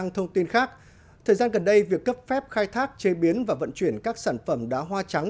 thời gian gần đây việc cấp phép khai thác chế biến và vận chuyển các sản phẩm đá hoa trắng